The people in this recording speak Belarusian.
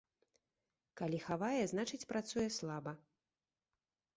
Калі хавае, значыць, працуе слаба.